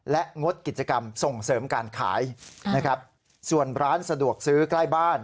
และงดกิจกรรมส่งเสริมการขายนะครับส่วนร้านสะดวกซื้อใกล้บ้าน